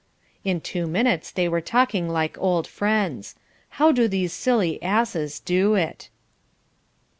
In two minutes they were talking like old friends. How do these silly asses do it?